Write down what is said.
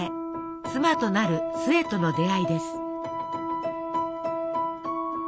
妻となる壽衛との出会いです。